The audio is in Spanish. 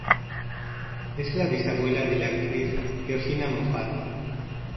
Es la bisabuela de la actriz Georgina Moffat.